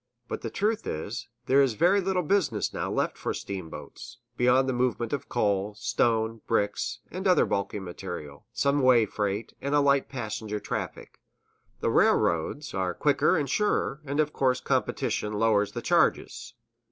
But the truth is, there is very little business now left for steamboats, beyond the movement of coal, stone, bricks, and other bulky material, some way freight, and a light passenger traffic. The railroads are quicker and surer, and of course competition lowers the charges.